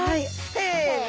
せの。